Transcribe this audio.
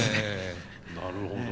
なるほど。